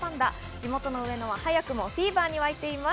地元・上野は早くもフィーバーに沸いています。